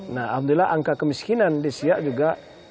nah alhamdulillah angka kemiskinan di siak juga